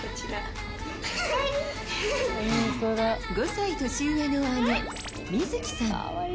５歳年上の姉みづきさん。